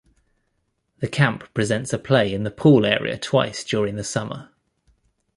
The camp presents a play in the pool area twice during the summer.